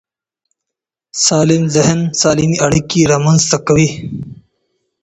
سالم ذهن سالمې اړیکې رامنځته کوي.